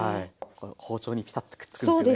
包丁にピタッとくっつくんですよね。